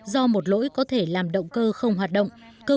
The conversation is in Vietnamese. do một lỗi có thể làm động của các nhà sản xuất ô tô của hàn quốc